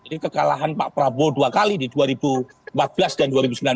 jadi kekalahan pak prabowo dua kali di dua ribu empat belas dan dua ribu sembilan belas